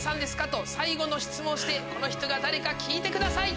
と最後の質問をしてこの人が誰か聞いてください。